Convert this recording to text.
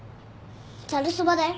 ざるそばだよ。